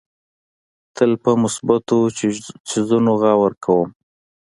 تل په مثبتو څیزونو غور کوم.